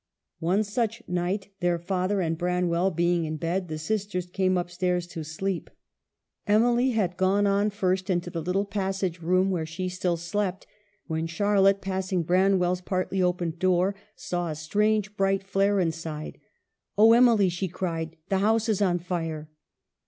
One such night, their father and Branwell being in bed, the sisters came up stairs to sleep. Emily had gone BRAN WELL'S FALL. 169 on first into the little passage room where she still slept, when Charlotte, passing Branwell's partly opened door, saw a strange bright flare inside. " Oh, Emily !" she cried, " the house is on fire